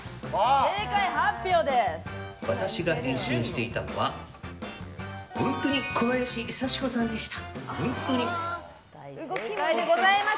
私が変身していたのは小林幸子さんでした。